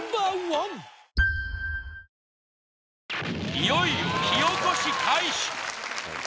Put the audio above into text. いよいよ火おこし開始